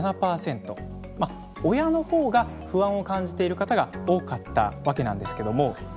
まあ親の方が不安を感じている方が多かったわけなんですけども。